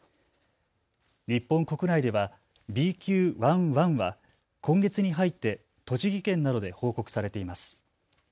日本国内ではＢＱ．１．１は今月に入って栃木県などで報告されています。